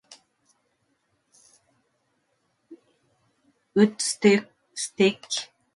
Critics have frequently labelled it the "Woodstock of the baggy generation".